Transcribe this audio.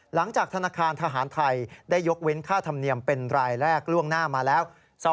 ธนาคารทหารไทยได้ยกเว้นค่าธรรมเนียมเป็นรายแรกล่วงหน้ามาแล้ว